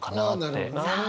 なるほどね。